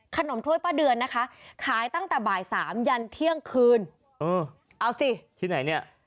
ถ้วยป้าเดือนนะคะขายตั้งแต่บ่ายสามยันเที่ยงคืนเออเอาสิที่ไหนเนี่ย